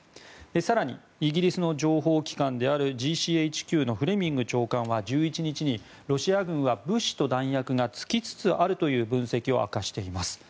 更にイギリスの情報機関であるＧＣＨＱのフレミング長官は１１日にロシア軍は物資と弾薬が尽きつつあるという分析を明かしています。